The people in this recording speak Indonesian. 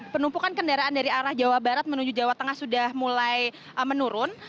penumpukan kendaraan dari arah jawa barat menuju jawa tengah sudah mulai menurun